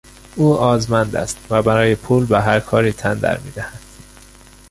او آزمند است و برای پول به هر کاری تن در میدهد.